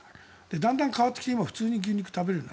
だんだん変わってきて今、普通に牛肉食べられる。